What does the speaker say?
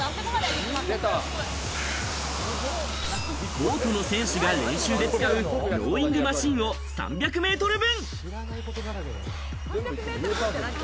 ボートの選手が練習で使うローイングマシンを３００メートル分。